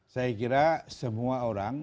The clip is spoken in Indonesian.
saya kira semua orang